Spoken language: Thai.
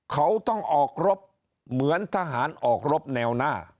เขาต้องออกรบเหมือนทหารออกรบแนวหน้า